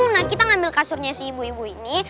nah kita ngambil kasurnya si ibu ibu ini